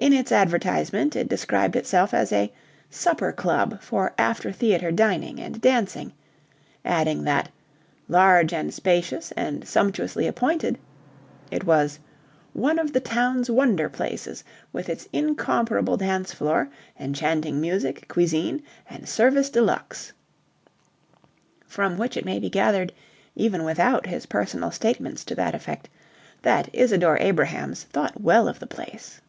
In its advertisement, it described itself as "a supper club for after theatre dining and dancing," adding that "large and spacious, and sumptuously appointed," it was "one of the town's wonder places, with its incomparable dance floor, enchanting music, cuisine, and service de luxe." From which it may be gathered, even without his personal statements to that effect, that Isadore Abrahams thought well of the place.